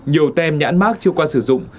nhiều tem nhãn mát chưa qua sử dụng